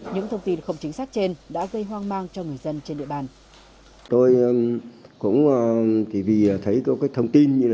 những thông tin không chính xác trên đã gây hoang mang cho người dân trên địa bàn